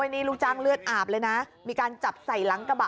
นี่ลูกจ้างเลือดอาบเลยนะมีการจับใส่หลังกระบะ